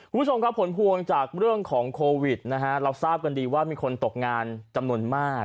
คุณผู้ชมครับผลพวงจากเรื่องของโควิดนะฮะเราทราบกันดีว่ามีคนตกงานจำนวนมาก